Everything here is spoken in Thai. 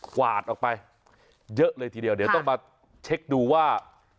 กวาดออกไปเยอะเลยทีเดียวเดี๋ยวต้องมาเช็คดูว่า